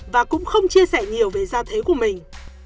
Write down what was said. và cũng không chia sẻ nhiều về gia thế của mình